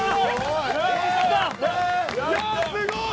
いやあすごい！